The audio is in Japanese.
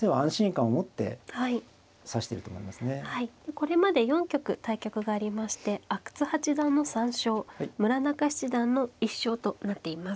これまで４局対局がありまして阿久津八段の３勝村中七段の１勝となっています。